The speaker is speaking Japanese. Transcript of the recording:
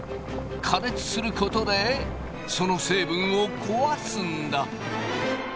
加熱することでその成分を壊すんだ。